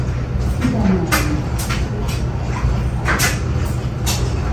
’idhanaenga oholrakai kidha’olo